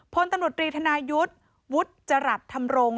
พลตำรวจรีธนายุทธ์วุฒิจรัสธรรมรงค์